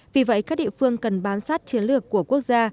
vì vậy các địa phương cần bám sát chiến lược của quốc gia